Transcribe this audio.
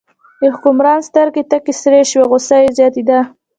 د حکمران سترګې تکې سرې شوې، غوسه یې زیاتېده.